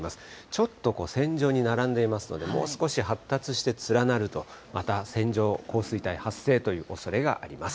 ちょっと線状に並んでいますので、もう少し発達して連なると、また線状降水帯発生というおそれがあります。